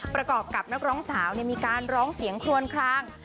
ประกอบกับนักร้องสาวมีการร้องเสียงคลวนคลาง